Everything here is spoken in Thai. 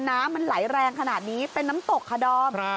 น้ำมันไหลแรงขนาดนี้เป็นน้ำตกค่ะดอม